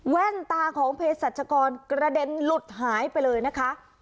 แว่นตาของเพศรัชกรกระเด็นหลุดหายไปเลยนะคะ